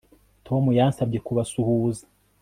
Tom yansabye kubasuhuza